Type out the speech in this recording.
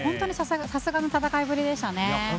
さすがの戦いぶりでしたね。